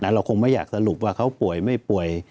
เราคงไม่อยากสรุปว่าเขาป่วยไม่ป่วย